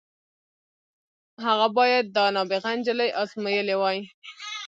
هغه بايد دا نابغه نجلۍ ازمايلې وای.